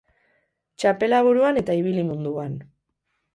Txapela buruan eta ibili munduan.